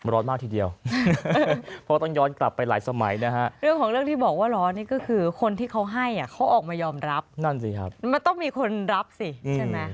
ร้อนมากทีเดียวเพราะต้องย้อนกลับไปหลายสมัยนะฮะเรื่องของเรื่องที่บอกว่าร้อนนี่ก็คือคนที่เขาให้อ่ะเขาออกมายอมรับนั่นสิครับมันต้องมีคนรับสิใช่ไหม